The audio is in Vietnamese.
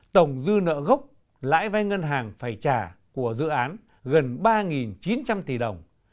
tổng dư nợ gốc lãi vay ngân hàng phải trả của dự án gần ba chín trăm linh tỷ đồng